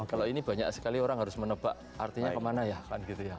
kalau ini banyak sekali orang harus menebak artinya kemana ya kan gitu ya